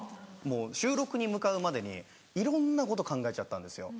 収録に向かうまでにいろんなこと考えちゃったんですよ。